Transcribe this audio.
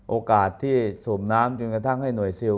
โอกาสที่สูบน้ำจนกระทั่งให้หน่วยซิล